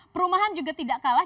perumahan juga tidak kalah